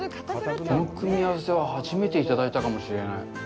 この組み合わせは初めていただいたかもしれない。